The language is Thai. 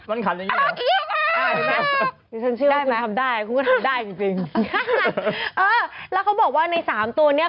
อะไรไม่ใช่เสียงไก่ขั้นแล้วผมก็ทำได้จริงสินค้าแล้วเขาบอกว่าในสามตัวเนี้ย